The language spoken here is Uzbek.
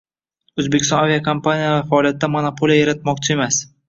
O‘zbekiston aviakompaniyalar faoliyatida monopoliya yaratmoqchi emas